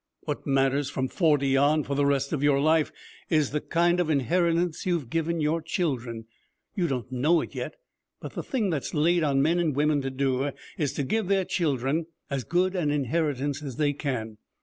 What matters, from forty on, for the rest of your life, is the kind of inheritance you've given your children. You don't know it yet, but the thing that's laid on men and women to do is to give their children as good an inheritance as they can.